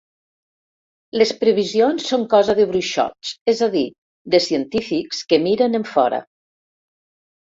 Les previsions són cosa de bruixots, és a dir, de científics que miren enfora.